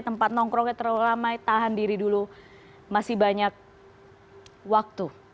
tempat nongkrongnya terlalu ramai tahan diri dulu masih banyak waktu